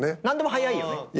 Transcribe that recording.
何でも早いよね。